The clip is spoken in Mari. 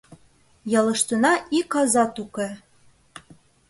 — Ялыштына ик азат уке.